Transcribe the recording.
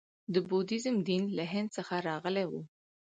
د بودیزم دین له هند څخه راغلی و